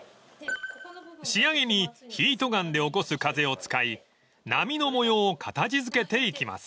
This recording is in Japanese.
［仕上げにヒートガンで起こす風を使い波の模様を形付けていきます］